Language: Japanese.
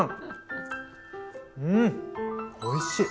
うんおいしい！